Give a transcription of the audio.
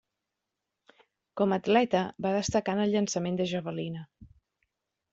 Com a atleta va destacar en el llançament de javelina.